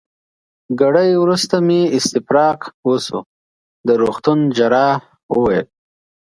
ګړی وروسته مې استفراق وشو، د روغتون جراح وویل.